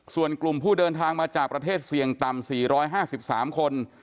ส่วนกลุ่มผู้เดินทางมาจากประเทศเสี่ยงต่ำ๔๕๓คน